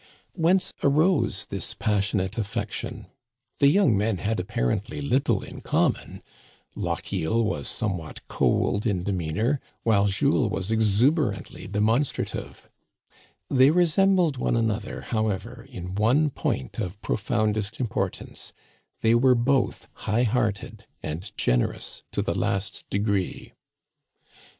Whence arose this passionate affection ? The young men had apparently little in common. Lochiel was somewhat cold in demeanor, while Jules was exuberant Digitized by VjOOQ IC 70 THE CANADIANS OF OLD. ly demonstrative. They resembled one another, how ever, in one point of profoundest importance ; they were both high hearted and generous to the last degree.